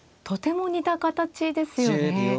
とても似た形ですよね。